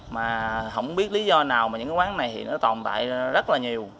mà không biết lý do nào mà những cái quán này thì nó tồn tại rất là nhiều